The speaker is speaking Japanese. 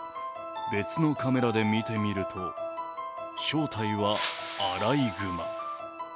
別のカメラで見てみると正体はあらいぐま。